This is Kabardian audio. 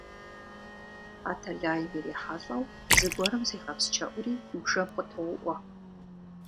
А тэлайм ирихьэлӏэу зыгуэрым зегъэпсчэуӏури бжэм къытоуӏуэ.